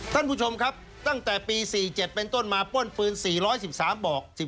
ท่านผู้ชมครับตั้งแต่ปี๔๗เป็นต้นมาป้นฟืน๔๑๓บอก